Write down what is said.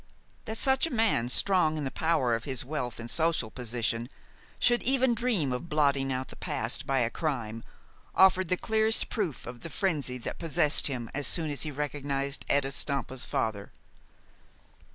That such a man, strong in the power of his wealth and social position, should even dream of blotting out the past by a crime, offered the clearest proof of the frenzy that possessed him as soon as he recognized Etta Stampa's father.